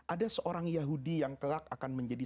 ada seorang yahudi yang kelak akan menjadi